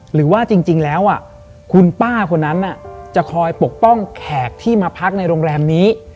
หรือว่าจริงแล้วคุณป้าคนนั้นจะคอยปกป้องแขกที่มาพักในโรงแรมนี้